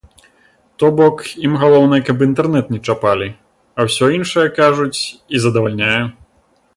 То бок ім галоўнае каб інтэрнэт не чапалі, а ўсё іншае, кажуць, іх задавальняе.